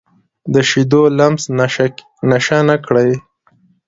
د شیدو لمس نشه کړي